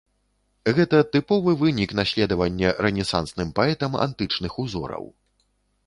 Гэта тыповы вынік наследавання рэнесансным паэтам антычных узораў.